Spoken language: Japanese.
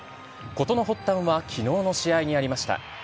事の発端はきのうの試合にありました。